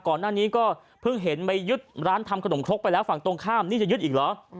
ก่อนหน้านี้ก็เพิ่งเห็นไปยึดร้านทำขนมครกไปแล้วฝั่งตรงข้ามนี่จะยึดอีกเหรอ